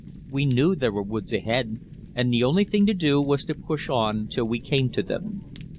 We knew there were woods ahead, and the only thing to do was to push on till we came to them.